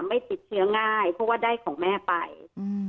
ไม่ติดเชื้อง่ายเพราะว่าได้ของแม่ไปอืม